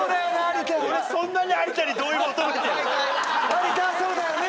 ・「有田そうだよね？」